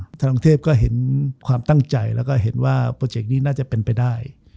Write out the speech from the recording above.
ทางเทพก็เห็นความตั้งใจแล้วก็เห็นว่าโปรเจกต์นี้น่าจะเป็นไปได้